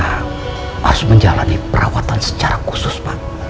harus menjalani perawatan secara khusus pak